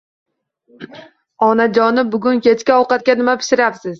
Onajoni, bugun kechki ovqatga nima pishiryapsiz?